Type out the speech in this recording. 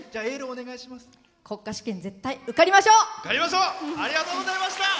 国家試験、絶対受かりましょう！